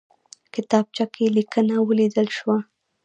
کتابچه کې لیکنه ولیدل شوه.